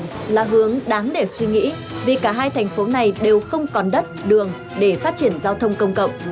đây là hướng đáng để suy nghĩ vì cả hai thành phố này đều không còn đất đường để phát triển giao thông công cộng